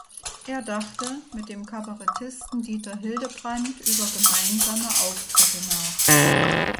Er dachte mit dem Kabarettisten Dieter Hildebrandt über gemeinsame Auftritte nach.